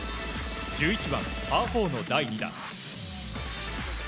１１番、パー４の第２打。